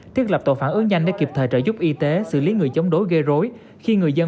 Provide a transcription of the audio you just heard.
thiết lập tổ phản ứng nhanh để kịp thời trợ giúp y tế xử lý người chống đối gây rối khi người dân